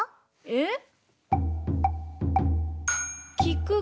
えっ！